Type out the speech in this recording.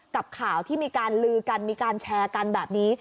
กับข่าวที่มีการลือกันมีการแชร์กันแบบนี้